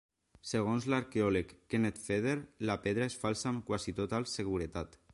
Segons l'arqueòleg Kenneth Feder, la pedra és falsa amb quasi total seguretat.